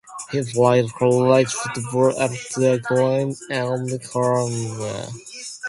He played college football at Georgia and Columbia.